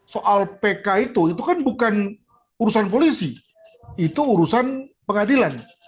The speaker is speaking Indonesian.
soal pk itu itu kan bukan urusan polisi itu urusan pengadilan